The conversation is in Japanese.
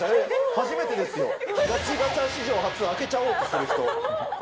初めてですよ、ガチガチャ史上初、開けちゃおうとする人。